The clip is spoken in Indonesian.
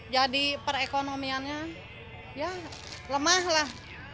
jadi perekonomiannya ya lemah lah